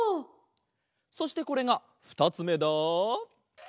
そしてこれがふたつめだ。